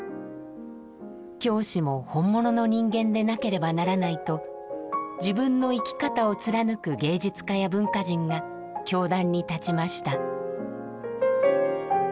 教師も「本物の人間」でなければならないと自分の生き方を貫く芸術家や文化人が教壇に立ちました。